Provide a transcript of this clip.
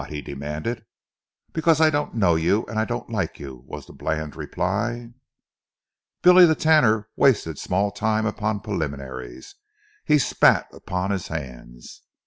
he demanded. "Because I don't know you and I don't like you," was the bland reply. Billy the Tanner wasted small time upon preliminaries. He spat upon his hands.